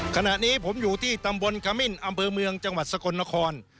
ขณะนี้ผมอยู่ที่ตำบลขมิ้นอำเภอเมืองจังหวัดสกลนคร